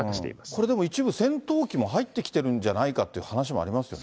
これ、でも一部戦闘機も入ってきてるんじゃないかという話もありますよ